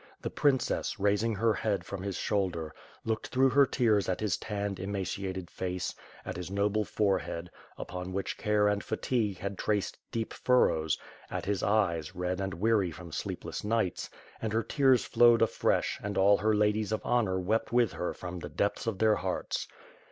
The princess, raising her head from his shoulder, looked through her tears at his tanned, emaciated face, at his noble forehead, upon which care and fatigue had traced deep fur rows, at his eyes, red and weary from sleepless nights; and her tears flowed afresh and all her ladies of honor wept with her from the depths of their hearts.